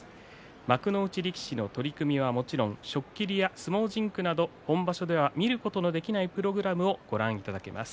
幕内力士の取組はもちろん初っ切りや相撲甚句など本場所では見ることのできないプログラムをご覧いただけます。